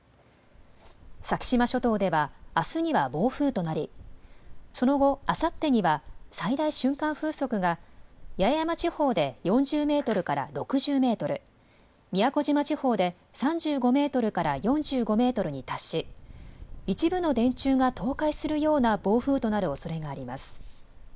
先島諸島ではあすには暴風となりその後、あさってには最大瞬間風速が八重山地方で４０メートルから６０メートル、宮古島地方で３５メートルから４５メートルに達し一部の電柱が倒壊するような暴風となるおそれがあります。